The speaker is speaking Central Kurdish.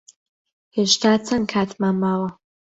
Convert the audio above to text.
هێشتا چەند کاتمان ماوە؟